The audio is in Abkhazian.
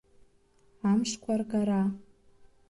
Амшқәа ргара…